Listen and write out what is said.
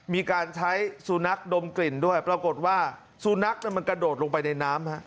มีการใช้สุนัขดมกลิ่นด้วยปรากฏว่าสุนัขมันกระโดดลงไปในน้ำ